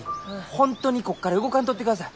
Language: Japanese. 本当にここから動かんとってください。